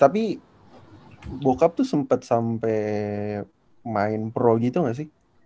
tapi bokap tuh sempet sampai main pro gitu gak sih